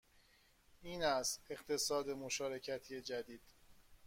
این است اقتصاد مشارکتی جدید